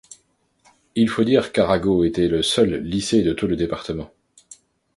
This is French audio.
Il faut dire qu'Arago était le seul lycée de tout le département.